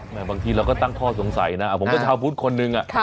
บางทีเราก็ตั้งข้อสงสัยนะผมก็ชาวพุทธคนนึง